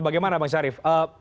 bagaimana bang syarif